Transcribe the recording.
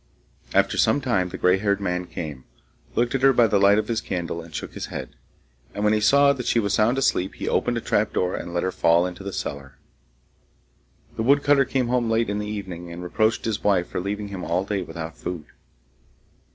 After some time the gray haired man came, looked at her by the light of his candle, and shook his head. And when he saw that she was sound asleep, he opened a trapdoor and let her fall into the cellar. The woodcutter came home late in the evening, and reproached his wife for leaving him all day without food.